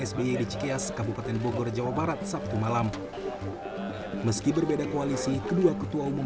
sby di cikias kabupaten bogor jawa barat sabtu malam meski berbeda koalisi kedua ketua umum